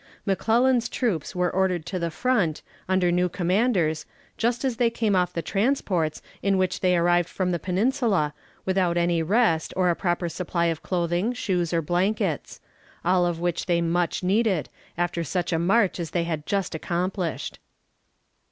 McClellan's troops were ordered to the front, under new commanders, just as they came off the transports in which they arrived from the Peninsula, without any rest, or a proper supply of clothing, shoes, or blankets; all of which they much needed, after such a march as they had just accomplished.